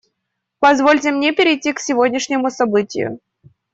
Позвольте мне перейти к сегодняшнему событию.